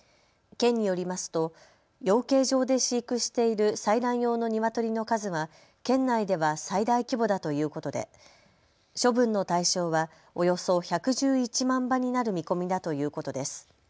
県によりますと養鶏場で飼育している採卵用のニワトリの数は県内では最大規模だということで処分の対象はおよそ１１１万羽になる見込みだということです。